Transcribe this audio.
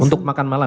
untuk makan malam